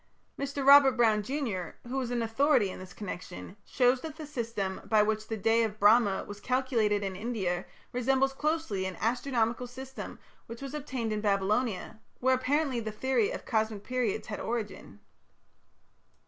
Mr. Robert Brown, junr., who is an authority in this connection, shows that the system by which the "Day of Brahma" was calculated in India resembles closely an astronomical system which obtained in Babylonia, where apparently the theory of cosmic periods had origin.